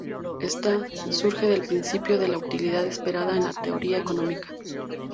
Esta surge del principio de la utilidad esperada en la teoría económica.